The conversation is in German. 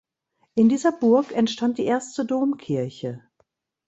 In dieser Burg entstand die erste Domkirche.